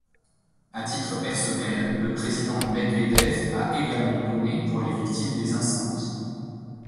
À titre personnel, le président Medvedev a également donné pour les victimes des incendies.